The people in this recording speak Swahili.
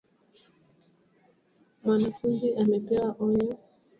MWanafunzi amepewa onyo.